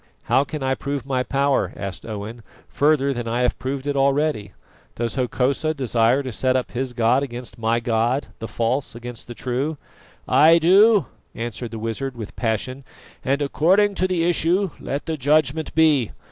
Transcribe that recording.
"How can I prove my power," asked Owen, "further than I have proved it already? Does Hokosa desire to set up his god against my God the false against the true?" "I do," answered the wizard with passion, "and according to the issue let the judgment be.